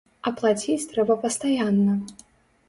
А плаціць трэба пастаянна.